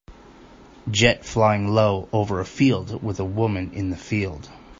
Jet flying low over a field with a woman in the field.